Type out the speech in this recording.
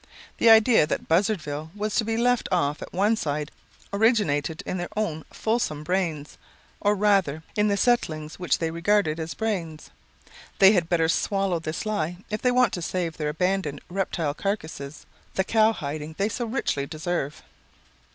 The idea that Buzzardville was to be left off at one side originated in their own fulsome brains or rather, in the settlings which they regard as brains. They had better swallow this lie if they want to save their abandoned reptile carcasses the cowhiding they so richly deserve."